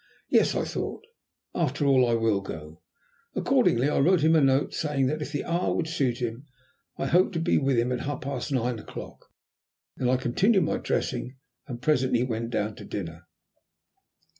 "Yes," I thought, "after all I will go." Accordingly I wrote a note to him saying that, if the hour would suit him, I hoped to be with him at half past nine o'clock. Then I continued my dressing and presently went down to dinner.